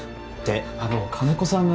あの金子さんが。